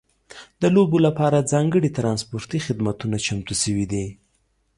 د لوبو لپاره ځانګړي ترانسپورتي خدمتونه چمتو شوي دي.